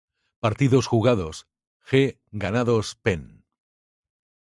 Partidos Jugados, G. Ganados, Pen.